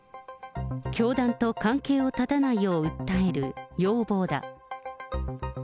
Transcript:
教団と関係を断たないよう訴える要望だ。